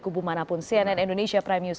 kubu manapun cnn indonesia prime news